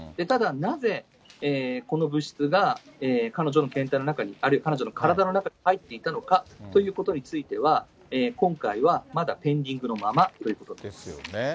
ただなぜ、この物質が彼女の検体の中に、あるいは、彼女の体の中に入っていたのかということについては、今回はまだペンディングのままということです。ですよね。